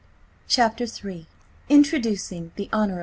CHAPTER III INTRODUCING THE HON.